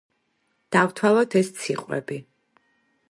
დავთვალოთ ეს ციყვები.